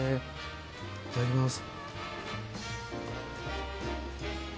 いただきます。